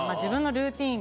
ルーティン。